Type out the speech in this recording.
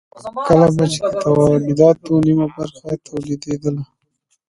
کله به چې د تولیداتو نیمه برخه تولیدېدله